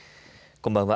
こんばんは。